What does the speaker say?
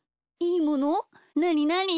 なになに？